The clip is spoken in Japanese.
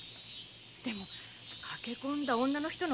でも駆け込んだ女の人の夫だと。